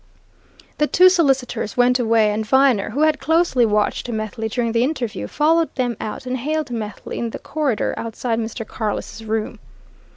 The two solicitors went away; and Viner, who had closely watched Methley during the interview, followed them out and hailed Methley in the corridor outside Mr. Carless' room.